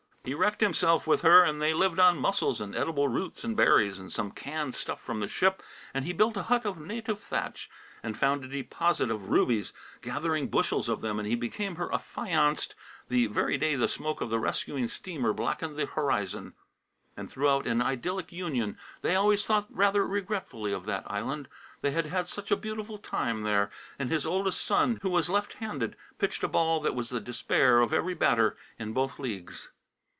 He wrecked himself with her, and they lived on mussels and edible roots and berries, and some canned stuff from the ship, and he built a hut of "native thatch," and found a deposit of rubies, gathering bushels of them, and he became her affianced the very day the smoke of the rescuing steamer blackened the horizon. And throughout an idyllic union they always thought rather regretfully of that island; they had had such a beautiful time there. And his oldest son, who was left handed, pitched a ball that was the despair of every batter in both leagues!